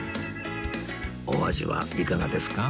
お味はいかがですか？